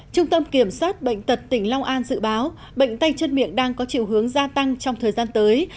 trung tâm kiểm soát bệnh tật tỉnh long an dự báo bệnh tay chân miệng đang có chiều hướng gia tăng trong thời gian tới